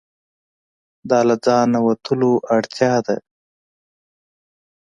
دا له ځانه وتلو اړتیا ده.